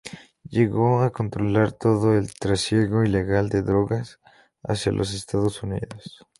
Llegó a controlar todo el trasiego ilegal de drogas hacia los Estados Unidos.